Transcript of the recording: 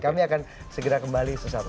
kami akan segera kembali sesama